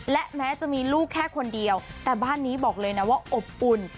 และแม้จะมีลูกแค่คนเดียวแต่บ้านนี้บอกเลยนะว่าอบอุ่น